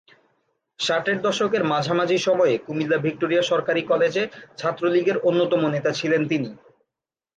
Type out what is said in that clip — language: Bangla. ষাটের দশকের মাঝামাঝি সময়ে কুমিল্লা ভিক্টোরিয়া সরকারি কলেজে ছাত্রলীগের অন্যতম নেতা ছিলেন তিনি।